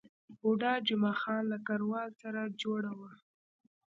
بوډا جمعه خان له کراول سره جوړه وه.